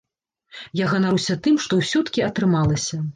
Я ганаруся тым, што ўсё-ткі атрымалася.